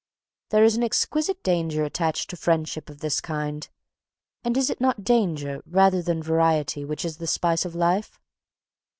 There is an exquisite danger attached to friendships of this kind, and is it not danger, rather than variety, which is "the spice of life?"